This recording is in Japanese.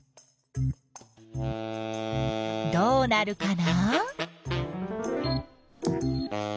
どうなるかな？